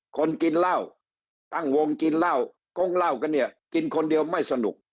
คนกินเหล้าตั้งวงกินเหล้ากงเหล้ากันเนี่ยกินคนเดียวไม่สนุก